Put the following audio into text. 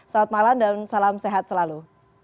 selamat malam dan salam sehat selalu